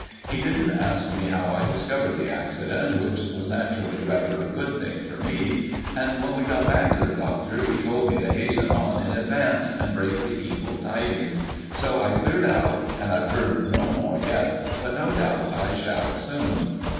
"He didn't ask me how I discovered the accident, which was naturally rather a good thing for me; and when we got back to the Doctor, he told me to hasten on in advance and break the evil tidings. So I cleared out. And I've heard no more yet; but no doubt I shall soon."